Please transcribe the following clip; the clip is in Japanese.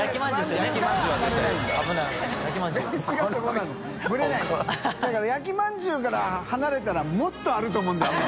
世焼きまんじゅうから離れたら發辰あると思うんだよね。